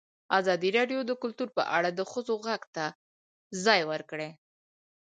ازادي راډیو د کلتور په اړه د ښځو غږ ته ځای ورکړی.